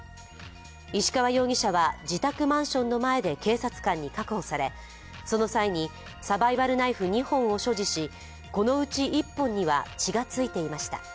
石川容疑者は自宅マンションの前で警察官に確保され、その際にサバイバルナイフ２本を所持しこのうち１本には血がついていました。